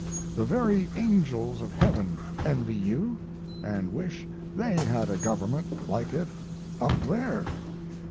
The very angels of heaven envy you and wish they had a government like it up there.